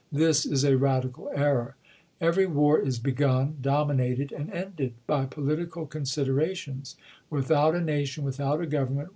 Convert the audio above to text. This is a radical error. Every war is begun, dominated, and ended by political consider ations; without a nation, without a Government, 360 ABRAHAM LINCOLN Chap. XX.